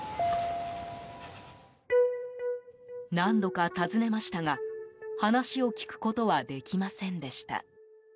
何度か訪ねましたが話を聞くことはできませんでした。